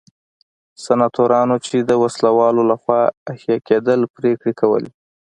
سناتورانو چې د وسله والو لخوا حیه کېدل پرېکړې کولې.